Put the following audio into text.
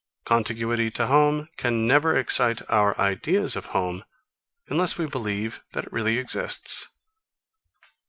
Contiguity to home can never excite our ideas of home, unless we believe that it really exists.